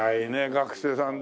学生さんで。